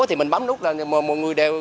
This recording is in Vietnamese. thì mình bấm nút là mọi người đều